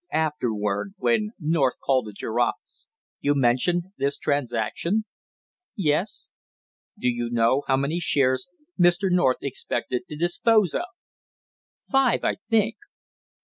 "Afterward, when North called at your office, you mentioned this transaction?" "Yes." "Do you know how many shares Mr. North expected to dispose of?" "Five, I think."